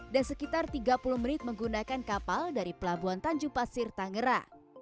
dan sekitar tiga puluh menit menggunakan kapal dari pelabuhan tanjupasir tanggera